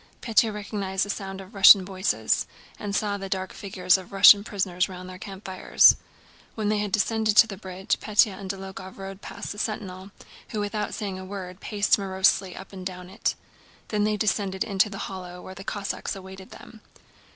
Pétya recognized the sound of Russian voices and saw the dark figures of Russian prisoners round their campfires. When they had descended to the bridge Pétya and Dólokhov rode past the sentinel, who without saying a word paced morosely up and down it, then they descended into the hollow where the Cossacks awaited them.